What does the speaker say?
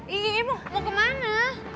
ibu mau kemana